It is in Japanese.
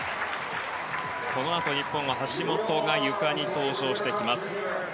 このあと、日本は橋本がゆかに登場してきます。